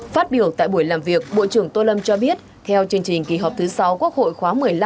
phát biểu tại buổi làm việc bộ trưởng tô lâm cho biết theo chương trình kỳ họp thứ sáu quốc hội khóa một mươi năm